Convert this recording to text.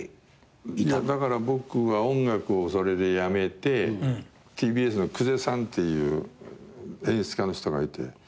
だから僕は音楽をそれで辞めてＴＢＳの久世さんっていう演出家の人がいて。